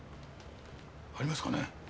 ありますかね。